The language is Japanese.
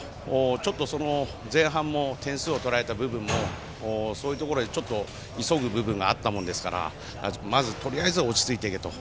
ちょっと前半も点数を取られた部分でもそういうところで急ぐ部分があったものですからまずとりあえず落ち着いていけと。